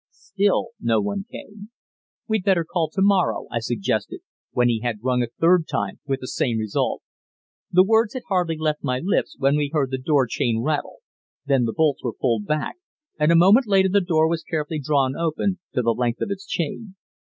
Still no one came. "We'd better call to morrow," I suggested, when he had rung a third time with the same result. The words had hardly left my lips, when we heard the door chain rattle. Then the bolts were pulled back, and a moment later the door was carefully drawn open to the length of its chain.